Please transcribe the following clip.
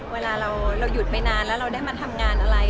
เวลาเราหยุดไปนานแล้วเราได้มาทำงานอะไร